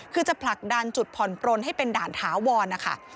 คือจะผลักดันจุดผ่อนปลนให้เป็นด่านถาวรนะคะ